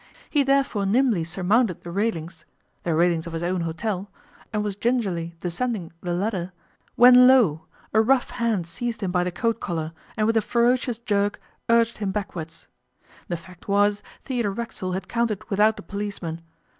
He therefore nimbly surmounted the railings the railings of his own hotel and was gingerly descending the ladder, when lo! a rough hand seized him by the coat collar and with a ferocious jerk urged him backwards. The fact was, Theodore Racksole had counted without the policeman.